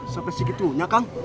sampai segitunya kang